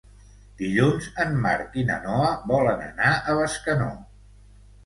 Dilluns en Marc i na Noa volen anar a Bescanó.